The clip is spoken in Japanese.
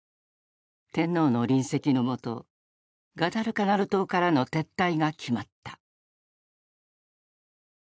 天皇の臨席の下ガダルカナル島からの撤退が決まった。